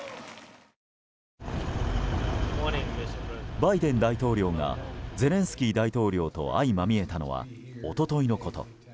バイデン大統領がゼレンスキー大統領と相まみえたのは一昨日のこと。